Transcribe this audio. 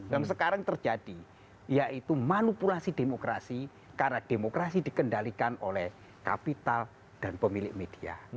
yang sekarang terjadi yaitu manipulasi demokrasi karena demokrasi dikendalikan oleh kapital dan pemilik media